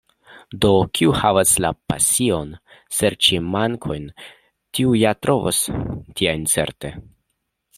Do, kiu havas la pasion serĉi mankojn, tiu ja trovos tiajn certe.